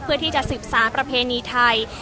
เพื่อที่จะสืบสารประเพณีไทย